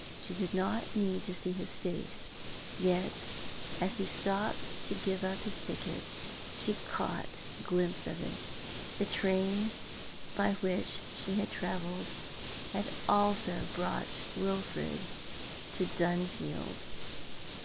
She did not need to see his face, yet, as he stopped to give up his ticket, she caught a glimpse of it. The train by which she had travelled had also brought Wilfrid to Dunfield.